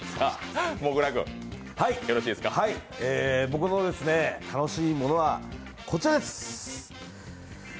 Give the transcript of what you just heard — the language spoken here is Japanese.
僕の楽しいものはこちらです。